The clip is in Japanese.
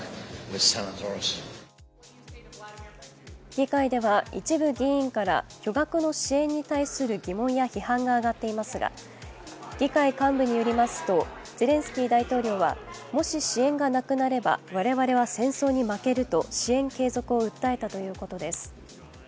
議会では一部議員から巨額の支援に対する疑問や批判が上がっていますが、議会幹部によりますと、ゼレンスキー大統領はもし支援がなくなれば我々は戦争に負けると支援継続を訴えたということです。